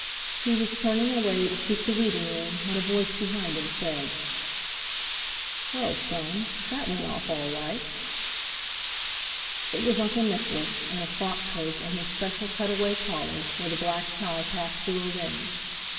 He was turning away to seek the reading room when a voice behind him said: "Well, Soames, that went off all right." It was Uncle Nicholas, in a frock coat and his special cut away collar, with a black tie passed through a ring.